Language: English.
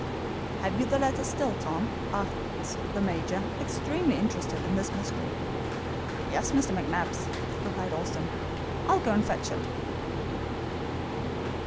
"Have you the letter still, Tom?" asked the Major, extremely interested in this mystery. "Yes, Mr. McNabbs," replied Austin. "I'll go and fetch it."